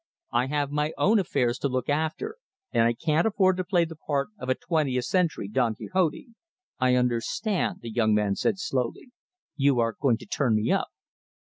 I have my own affairs to look after, and I can't afford to play the part of a twentieth century Don Quixote." "I understand," the young man said slowly. "You are going to turn me up."